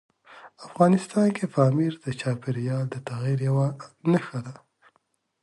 افغانستان کې پامیر د چاپېریال د تغیر یوه نښه ده.